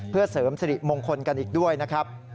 เพื่อเสริมสิริมงคลกันอีกด้วยนะครับ